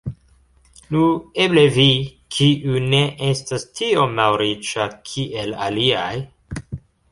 Nu, eble vi, kiu ne estas tiom malriĉa kiel aliaj.